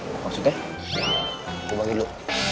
maksudnya gue balik dulu